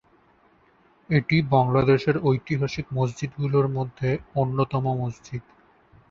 এটি বাংলাদেশের ঐতিহাসিক মসজিদগুলোর মধ্যে অন্যতম মসজিদ।